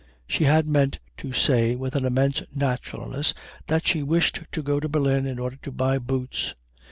She had meant to say with an immense naturalness that she wished to go to Berlin in order to buy boots.